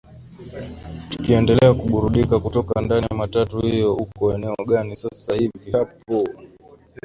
tukiendelea kuburudika kutoka ndani ya matatu hiyo uko eneo gani sasa hivi hapo